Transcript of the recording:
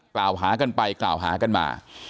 กล่าวหากันไปกล่าวหากันมา